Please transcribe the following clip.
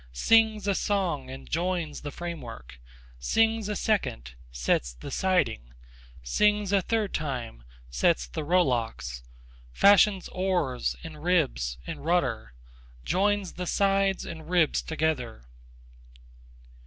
Sings a song and joins the framework; Sings a second, sets the siding; Sings a third time, sets the rowlocks; Fashions oars, and ribs, and rudder, Joins the sides and ribs together.